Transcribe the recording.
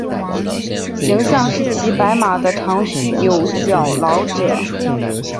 形象是骑白马的长须有角老者。